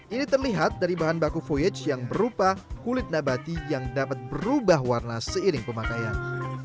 ini terlihat dari bahan baku voyage yang berupa kulit nabati yang dapat berubah warna seiring pemakaian